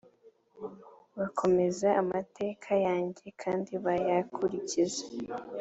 bakomeze amateka yanjye kandi bayakurikize